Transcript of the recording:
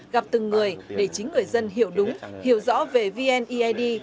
gặp từng người để chính người dân hiểu đúng hiểu rõ về vneid